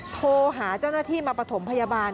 โทรหาเจ้าหน้าที่มาประถมพยาบาล